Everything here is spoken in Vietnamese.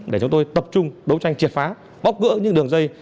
để chúng tôi tập trung đấu tranh triệt phá bóc gỡ những đường dây